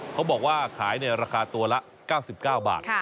เขาบอกว่าขายในราคาตัวละ๙๙บาท